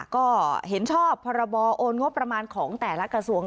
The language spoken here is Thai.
ก็เห็นชอบพรบโอนงบประมาณของแต่ละกระทรวง